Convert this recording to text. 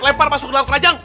lempar masuk ke dalam kerajang